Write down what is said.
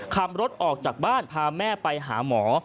ขับรถออกจากบ้านพาแม่ไปหาหมอ